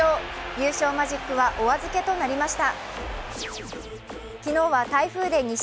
優勝マジックはお預けとなりました。